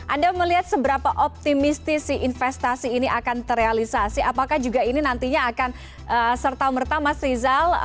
anda melihat seberapa optimistisi investasi ini akan terrealisasi apakah juga ini nantinya akan serta merta mas rizal